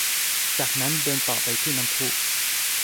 จากนั้นเดินต่อไปที่น้ำพุ